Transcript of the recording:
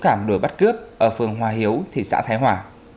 các đối tượng đã được bắt cướp ở phường hòa hiếu thị xã thái hòa